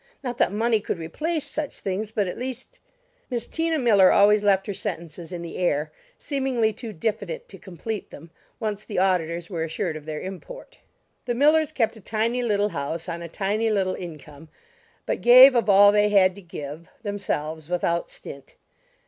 not that money could replace such things, but, at least" Miss Tina Miller always left her sentences in the air, seemingly too diffident to complete them, once the auditors were assured of their import. The Millers kept a tiny little house on a tiny little income; but gave of all they had to give, themselves, without stint.